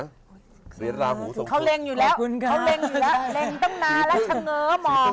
เขาเร่งอยู่แล้วเร่งตั้งนานแล้วชะเหนอมองอยู่